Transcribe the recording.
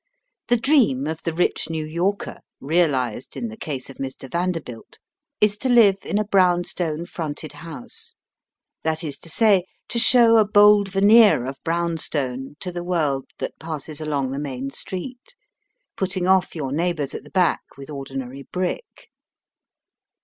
The dream of the rich New Yorker, realized in the case of Mr. Vanderbilt, is to live in a brown stone fronted house — that is to say, to show a bold veneer of brown stone to the world that passes along the main street, putting oflf your neighbours at the back with ordinary brick.